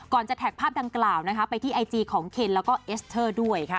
จะแท็กภาพดังกล่าวนะคะไปที่ไอจีของเคนแล้วก็เอสเตอร์ด้วยค่ะ